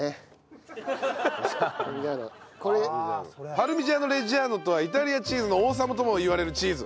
パルミジャーノ・レッジャーノとはイタリアチーズの王様ともいわれるチーズ。